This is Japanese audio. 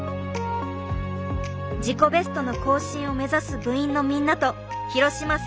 自己ベストの更新を目指す部員のみんなと廣島先生の挑戦。